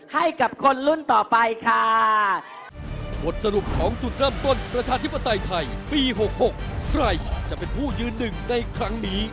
ให้กับคนรุ่นต่อไปค่ะ